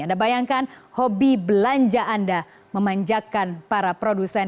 anda bayangkan hobi belanja anda memanjakan para produsen